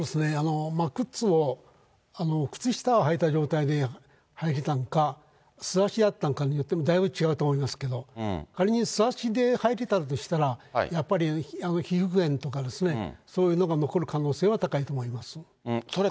靴も、靴下を履いた状態で履いてたのか、素足やったんかによっても、だいぶ違うと思いますけど、仮に素足で履いてたとしたら、やっぱり皮膚片とかですね、そういうのが残る可能性は高いと思いそれ